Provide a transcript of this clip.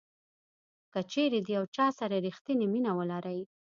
کچیرې د یو چا سره ریښتینې مینه ولرئ.